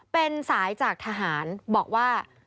เป็นสายจากทหารบอกว่า